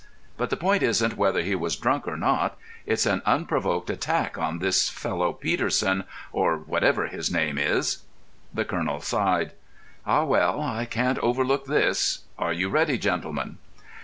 But the point isn't whether he was drunk or not; it's an unprovoked attack on this fellow Peterson, or whatever his name is." The colonel sighed. "Ah, well, I can't overlook this. Are you ready, gentlemen?"